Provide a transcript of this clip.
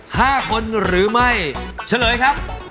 ห้าคนหรือไม่เฉลยครับ